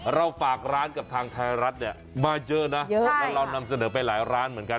เราฝากร้านกับทางไทยรัฐเนี่ยมาเยอะนะเยอะแล้วเรานำเสนอไปหลายร้านเหมือนกัน